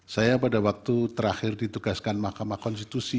saya pada waktu terakhir ditugaskan mahkamah konstitusi